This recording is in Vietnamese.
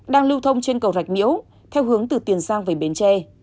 đang lưu thông trên cầu rạch miễu theo hướng từ tiền giang về bến tre